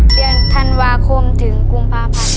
เดือนธันวาคมถึงกุมภาพันธ์